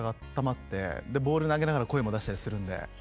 でボール投げながら声も出したりするんで。